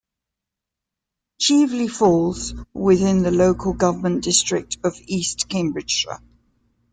Cheveley falls within the local government district of East Cambridgeshire.